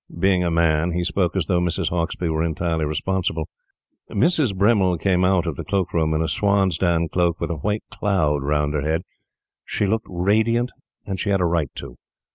Being a man, he spoke as though Mrs. Hauksbee were entirely responsible. Mrs. Bremmil came out of the cloak room in a swansdown cloak with a white "cloud" round her head. She looked radiant; and she had a right to.